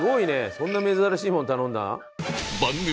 そんな珍しいもの頼んだ？